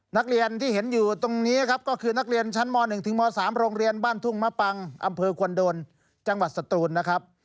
นักเรียนที่เห็นอยู่ตรงนี้ครับก็คือนักเรียนชั้นม๑ถึงม๓โรงเรียนบ้านทุ่งมะปังอำเภอควนโดนจังหวัดสตูนนะครับ